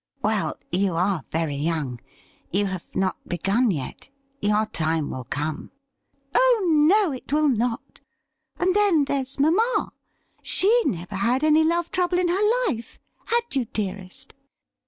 ' Well, you are very young ; you have not begun yet. Your time will come.' ' Oh no, it will not. And, then, there's mamma ; she had never any love trouble in her life — had you, dearest